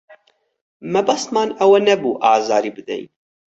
مەبەستمان ئەوە نەبوو ئازاری بدەین.